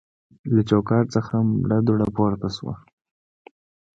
له چوکاټ څخه مړه دوړه پورته شوه.